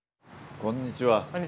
こんにちは！